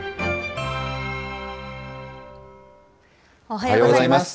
おはようございます。